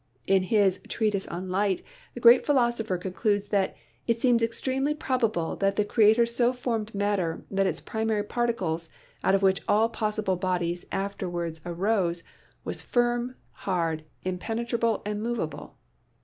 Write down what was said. In his "Treatise on Light" the great philosopher con cludes that "it seems extremely probable that the Creator so formed Matter that its primary particles, out of which all possible bodies afterward arose, was firm, hard, im penetrable and movable."